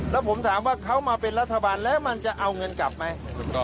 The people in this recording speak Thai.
แล้วผมถามว่าเขามาเป็นรัฐบาลแล้วมันจะเอาเงินกลับไหม